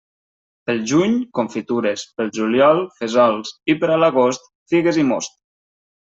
Pel juny, confitures, pel juliol, fesols i per a l'agost, figues i most.